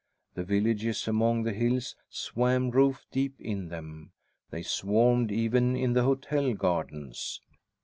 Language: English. The villages among the hills swam roof deep in them. They swarmed even in the hotel gardens.